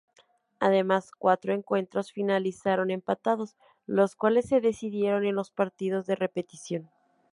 Además, cuatro encuentros finalizaron empatados, los cuales se decidieron en los partidos de repetición.